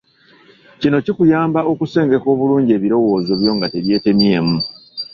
Kino kikuyamba okusengeka obulungi ebirowoozo byo nga tebyetemyemu.